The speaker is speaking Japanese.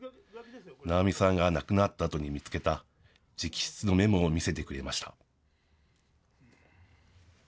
直美さんが亡くなったあとに見つけた直筆のメモを見せてくれました。